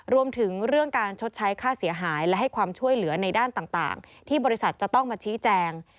รวมถึงเรื่องการชดใช้ค่าเสียหายและให้ความช่วยเหลือในด้านต่างที่บริษัทจะต้องมาชี้แจง